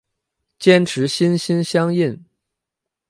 坚持心心相印。